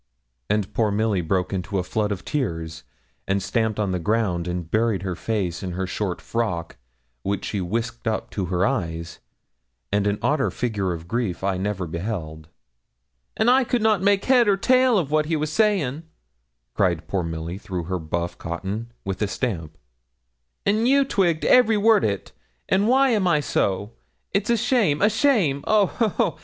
And poor Milly broke into a flood of tears, and stamped on the ground, and buried her face in her short frock, which she whisked up to her eyes; and an odder figure of grief I never beheld. 'And I could not make head or tail of what he was saying,' cried poor Milly through her buff cotton, with a stamp; 'and you twigged every word o't. An' why am I so? It's a shame a shame! Oh, ho, ho!